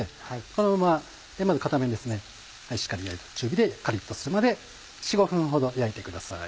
このまままず片面しっかり中火でカリっとするまで４５分ほど焼いてください。